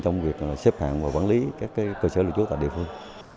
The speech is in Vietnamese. trong việc xếp hạng và quản lý các cơ sở lưu trú tại địa phương